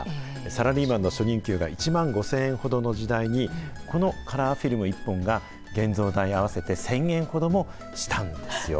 サラリーマンの初任給が１万５０００円ほどの時代に、このカラーフィルム１本が、現像代合わせて１０００円ほどもしたんですよ。